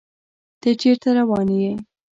تۀ چېرته روان يې ؟